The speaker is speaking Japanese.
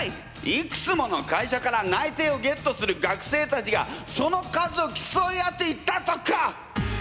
いくつもの会社から内定をゲットする学生たちがその数をきそい合っていたとか！